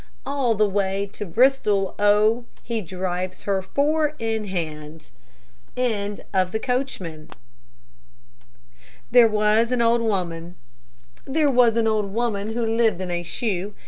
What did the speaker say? All the way to Bristol, oh! He drives her four in hand. THERE WAS AN OLD WOMAN There was an old woman who lived in a shoe.